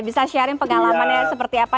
bisa sharing pengalamannya seperti apa